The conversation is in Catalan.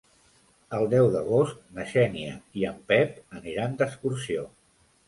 El deu d'agost na Xènia i en Pep aniran d'excursió.